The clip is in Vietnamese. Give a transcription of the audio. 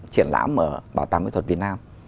triển lãm ở bảo tàng mỹ thuật việt nam